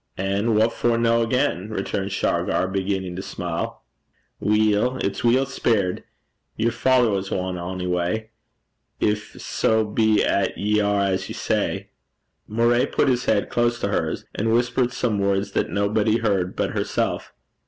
'An' what for no, again?' returned Shargar, beginning to smile. 'Weel, it's weel speired. Yer father was ane ony gait gin sae be 'at ye are as ye say.' Moray put his head close to hers, and whispered some words that nobody heard but herself.